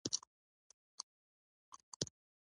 د پاچاهۍ حفاظت یې د ناموس حفاظت باله.